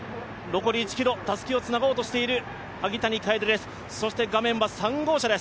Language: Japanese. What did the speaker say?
ただ、思いを持って残り１ｋｍ、たすきをつなごうとしている萩谷楓です。